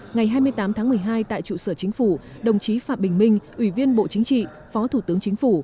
ngày hai mươi tám tháng một mươi hai tại trụ sở chính phủ đồng chí phạm bình minh ủy viên bộ chính trị phó thủ tướng chính phủ